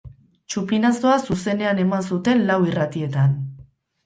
Txupinazoa zuzenean eman zuten lau irratietan.